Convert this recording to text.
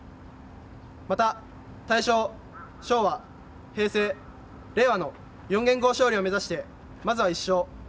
また、大正、昭和、平成、令和の４元号勝利を目指してまずは１勝。